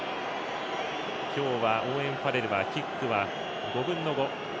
今日はオーウェン・ファレルはキックは５分の５。